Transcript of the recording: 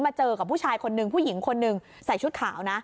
เจอกับผู้ชายคนนึงผู้หญิงคนหนึ่งใส่ชุดขาวนะ